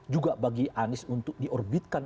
juga bagi anies untuk diorbitkan